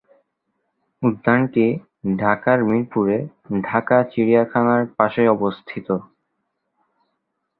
উদ্যানটি ঢাকার মিরপুরে ঢাকা চিড়িয়াখানার পাশে অবস্থিত।